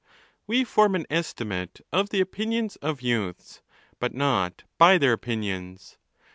We form an estimate of the opinions of youths, but not by their opinions.